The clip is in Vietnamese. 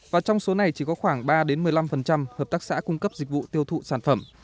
và trong số này chỉ có khoảng ba một mươi năm hợp tác xã cung cấp dịch vụ tiêu thụ sản phẩm